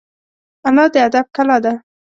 انا د ادب کلا ده